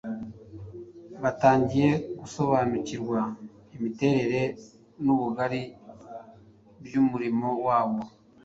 Batangiye gusobanukirwa imiterere n’ubugari by’umurimo wabo,